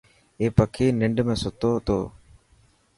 اي پڪي ننڊ ۾ ستو تو.